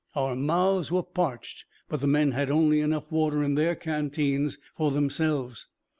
Our mouths were parched; but the men had only enough water in their canteens for themselves.